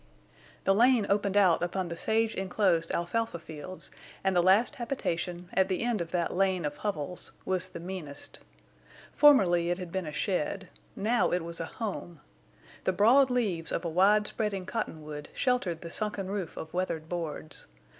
The lane opened out upon the sage inclosed alfalfa fields, and the last habitation, at the end of that lane of hovels, was the meanest. Formerly it had been a shed; now it was a home. The broad leaves of a wide spreading cottonwood sheltered the sunken roof of weathered boards.